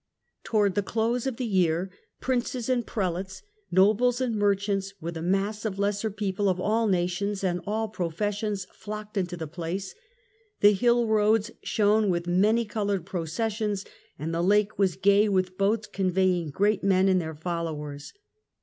Towards the close of the year, princes and prelates, nobles and merchants, with a mass of lesser people of all nations and all professions flocked into the place ; the hill roads shone with many coloured processions, and the lake was gay with boats conveying great men and their followers.